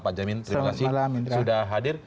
pak jamin terima kasih sudah hadir